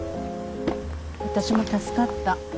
私も助かった。